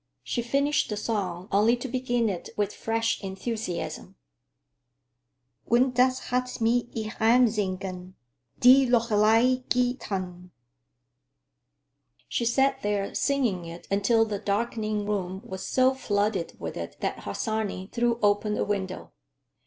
She finished the song only to begin it with fresh enthusiasm. "Und das hat mit ihrem singen Die Lorelei gethan." She sat there singing it until the darkening room was so flooded with it that Harsanyi threw open a window.